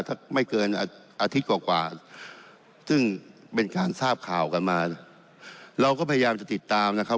ถ้าไม่เกินอาทิตย์กว่ากว่าซึ่งเป็นการทราบข่าวกันมาเราก็พยายามจะติดตามนะครับ